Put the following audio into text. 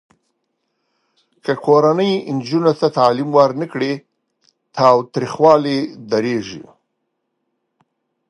که کورنۍ نجونو ته تعلیم ورنه کړي، تاوتریخوالی ډېریږي.